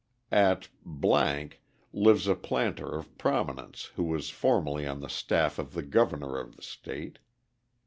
At lives a planter of prominence who was formerly on the staff of the governor of the state.